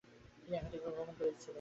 তিনি একাধিকবার ভ্রমণ করেছিলেন।